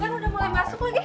kan udah mulai masuk lagi